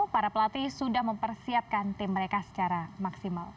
para pelatih sudah mempersiapkan tim mereka secara maksimal